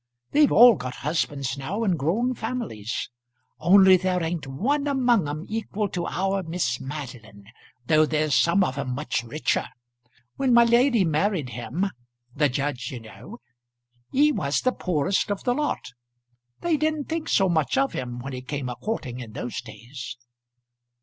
They've all got husbands now and grown families only there ain't one among 'em equal to our Miss Madeline, though there's some of 'em much richer. When my lady married him, the judge, you know, he was the poorest of the lot. They didn't think so much of him when he came a courting in those days."